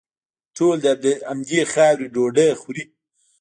ټول د همدې خاورې ډوډۍ خوري.